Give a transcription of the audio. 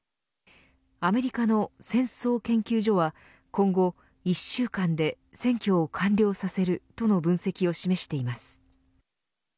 アメリカの戦争研究所は今後１週間で占拠を完了させるとの分析を示しています。